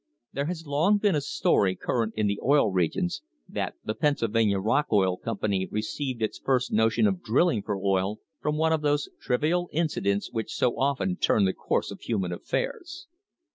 There has long been a story current in the Oil Regions that the Pennsylvania Rock Oil Company re ceived its first notion of drilling for oil from one of those trivial incidents which so often turn the course of human Iffairs.